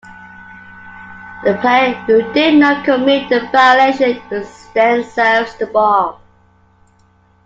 The player who did not commit the violation then serves the ball.